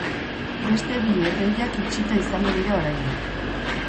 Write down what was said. Beste bi erreiak itxita izango dira oraindik.